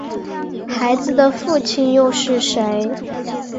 孩子的父亲又是谁？